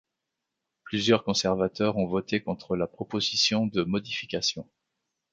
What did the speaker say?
Plusieurs conservateurs ont voté contre la proposition de modification.